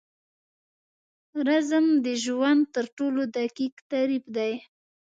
رزم د ژوند تر ټولو دقیق تعریف دی.